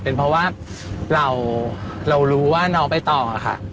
เป็นเพราะว่าเรารู้ว่าน้องใบตองค่ะ